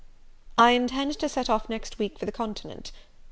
"I intend to set off next week for the Continent.